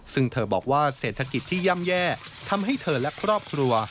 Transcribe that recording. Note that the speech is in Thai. ซึ่งเธอบอกว่าเศรษฐกิจที่ย่ำแย่ทำให้เธอและครอบครัว